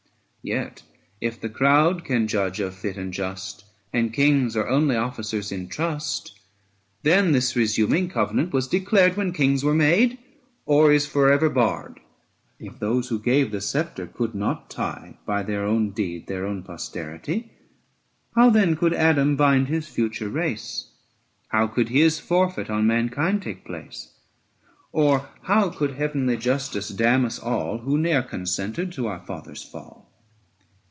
Yet if the crowd be judge of fit and just, 765 And kings are only officers in trust, Then this resuming covenant was declared When kings were made, or is for ever barred. If those who gave the sceptre could not tie By their own deed their own posterity, 770 How then could Adam bind his future race ? How could his forfeit on mankind take place? Or how could heavenly justice damn us all Who ne'er consented to our father's fall?